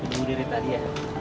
tunggu diri tadi ya